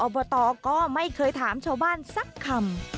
อบตก็ไม่เคยถามชาวบ้านสักคำ